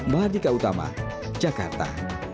mahadika utama jakarta